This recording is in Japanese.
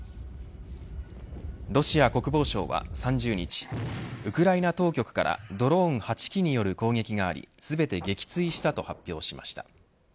ロシア国防省は３０日ウクライナ当局からドローン８機による攻撃があり全て撃墜したと発表しました。